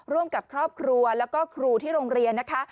ร่วมกับครอบครัวแล้วก็ครูที่โรงเรียนนะคะ